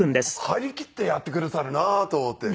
張り切ってやってくださるなと思って。